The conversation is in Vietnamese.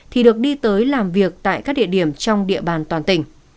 thì được đi tới làm việc tại các địa điểm trong địa bàn toàn tỉnh